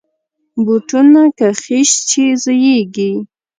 بوټونه که خیشت شي، زویږي.